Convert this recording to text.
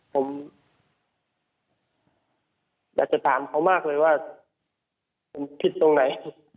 ผมอยากจะถามเขามากเลยว่าผมผิดตรงไหน